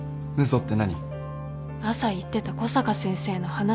朝言ってた小坂先生の話。